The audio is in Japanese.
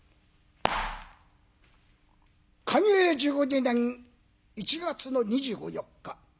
寛永１２年１月の２４日。